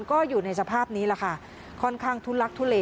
ก็อยู่ในสภาพนี้แหละค่ะค่อนข้างทุลักทุเล